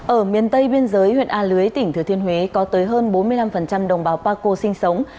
ở miền tây biên giới huyện a lưới tỉnh thừa thiên huế có tới hơn bốn mươi năm đồng bào paco sinh sống